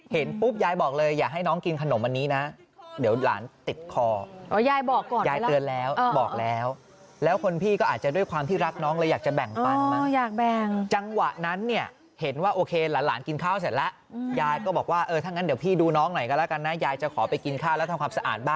เห็นปุ๊บยายบอกเลยอย่าให้น้องกินขนมอันนี้นะ